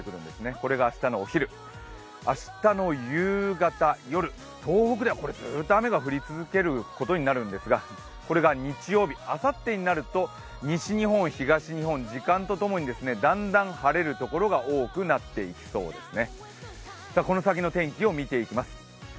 これが明日のお昼明日の夕方、夜東北ではずっと雨が降り続けることになるんですがこれが日曜日、あさってになると西日本、東日本、時間と共にだんだん晴れる所が多くなっていきそうですね。